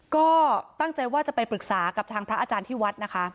ก็ตั้งใจว่าจะไปปรึกษากับทางพระอาจารย์ที่วัดนะคะ